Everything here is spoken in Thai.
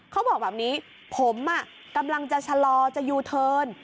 เขาบอกแบบนี้ผมกำลังจะชะลอจะยูเทิร์น